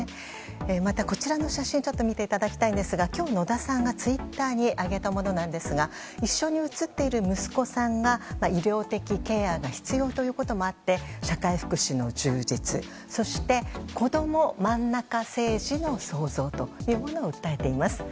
また、こちらの写真を見ていただきたいんですが今日、野田さんがツイッターに上げたものですが一緒に写っている息子さんが医療的ケアが必要ということもあって社会福祉の充実そして、こどもまんなか政治の創造というものを訴えています。